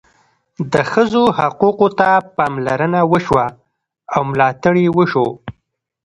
د ښځو حقوقو ته پاملرنه وشوه او ملاتړ یې وشو.